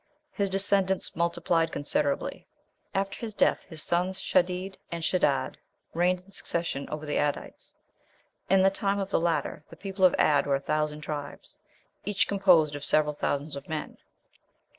His descendants multiplied considerably. After his death his sons Shadid and Shedad reigned in succession over the Adites. In the time of the latter the people of Ad were a thousand tribes, each composed of several thousands of men.